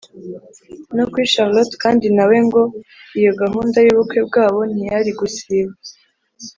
No kuri Charlotte kandi na we ngo iyo gahunda y’ubukwe bwabo ntiyari gusiba.